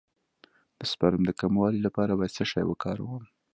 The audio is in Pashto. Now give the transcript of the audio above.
د سپرم د کموالي لپاره باید څه شی وکاروم؟